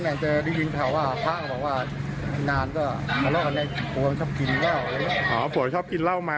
แล้วก็รู้จักคนบ้านเนี้ยสามารถเข้าไปดูอยู่ว่า